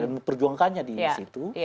dan memperjuangkannya di situ